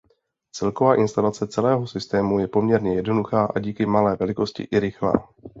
Celková instalace celého systému je poměrně jednoduchá a díky malé velikosti i rychlá.